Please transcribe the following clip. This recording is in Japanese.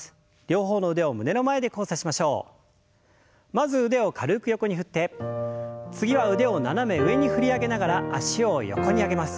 まず腕を軽く横に振って次は腕を斜め上に振り上げながら脚を横に上げます。